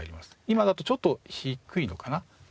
今だとちょっと低いのかな？